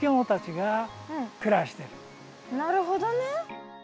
なるほどね。